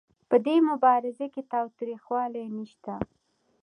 په دې مبارزه کې تاوتریخوالی نشته.